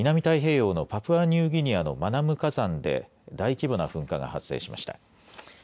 太平洋のパプアニューギニアのマナム火山で大規模な噴火が発生しました。